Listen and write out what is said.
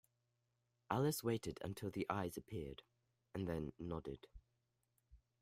Alice waited till the eyes appeared, and then nodded.